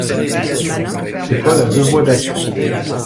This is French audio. Ce col a deux voies d'accès.